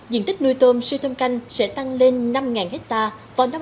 diện tích nuôi tôm siêu thâm canh sẽ tăng lên năm hectare vào năm hai nghìn hai mươi